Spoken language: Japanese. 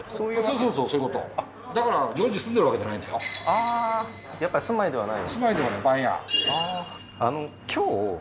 ああーやっぱり住まいではない？